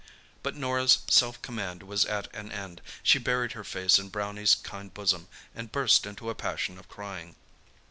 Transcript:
But Norah's self command was at an end. She buried her face in Brownie's kind bosom, and burst into a passion of crying.